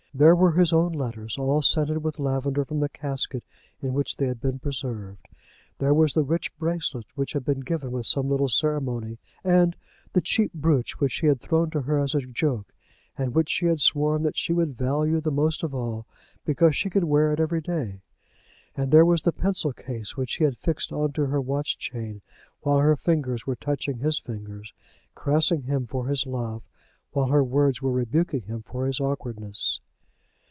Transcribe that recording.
There were his own letters, all scented with lavender from the casket in which they had been preserved; there was the rich bracelet which had been given with some little ceremony, and the cheap brooch which he had thrown to her as a joke, and which she had sworn that she would value the most of all because she could wear it every day; and there was the pencil case which he had fixed on to her watch chain, while her fingers were touching his fingers, caressing him for his love while her words were rebuking him for his awkwardness.